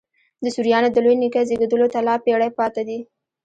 د سوریانو د لوی نیکه زېږېدلو ته لا پېړۍ پاته دي.